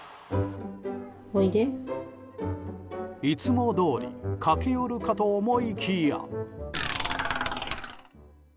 いつもどおり駆け寄るかと思いきや。